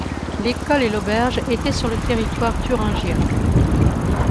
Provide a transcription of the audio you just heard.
L’école et l’auberge étaient sur le territoire thuringien.